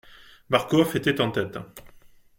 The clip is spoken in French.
Marcof était en tête.